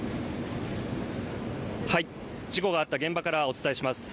事故があった現場からお伝えします。